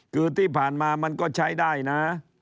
คือที่ผ่านมามันก็ใช้ได้นะ